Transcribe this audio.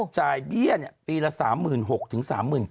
จ่ายเบี้ยเนี่ยปีละ๓๖๐๐๐ถึง๓๗๐๐๐